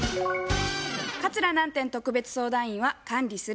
桂南天特別相談員は「管理する」